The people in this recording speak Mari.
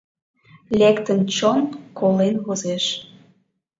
Лектын чон, колен возеш.